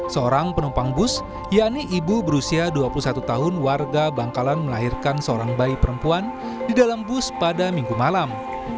seorang penumpang bus yani ibu berusia dua puluh satu tahun warga bangkalan melahirkan seorang bayi perempuan di dalam bus pada minggu malam